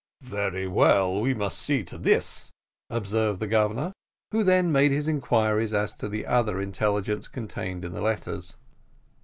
"Very well, we must see to this," observed the Governor, who then made his inquiries as to the other intelligence contained in the letters.